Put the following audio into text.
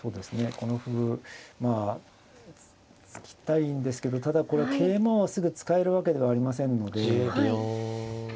この歩まあ突きたいんですけどただこれ桂馬をすぐ使えるわけではありませんので。